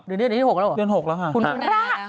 เดือนนี้เดือนที่๖แล้วเหรอคุณคุณรัก